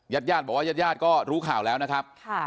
ญาติญาติบอกว่าญาติญาติก็รู้ข่าวแล้วนะครับ